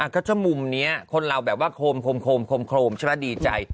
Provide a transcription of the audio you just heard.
ก็จะมุมนี้คนเราแบบว่าโครมชะมัดดีใจ